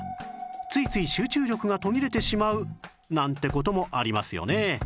ついつい集中力が途切れてしまうなんて事もありますよね